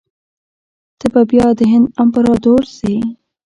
ته به بیا د هند امپراطور سې.